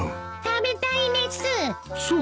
食べたいです！